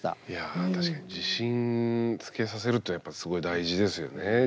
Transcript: いやあ確かに自信つけさせることやっぱすごい大事ですよね。